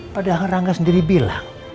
padahal rangga sendiri bilang